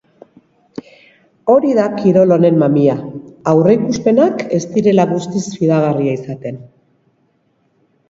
Hori da kirol honen mamia, aurreikuspenak ez direla guztiz fidagarria izaten.